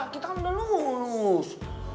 kita kan udah lulus